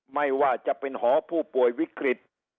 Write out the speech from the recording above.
ไม่ว่าจะเป็นหอผู้ป่วยวิกฤต